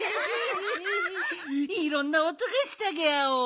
いろんなおとがしたギャオ。